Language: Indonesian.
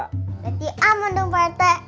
berarti amat dong pak rete